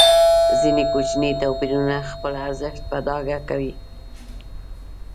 ځینې کوچني توپیرونه خپل ارزښت په ډاګه کوي.